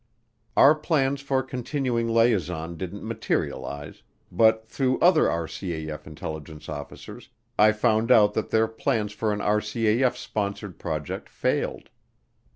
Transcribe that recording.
Our plans for continuing liaison didn't materialize, but through other RCAF intelligence officers I found out that their plans for an RCAF sponsored project failed.